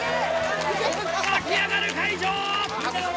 沸き上がる会場。